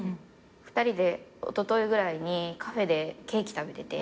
２人でおとといぐらいにカフェでケーキ食べてて。